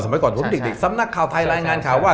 สำนักข่าวไทยรายงานข่าวว่า